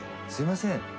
「すいません。